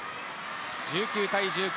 １９対１９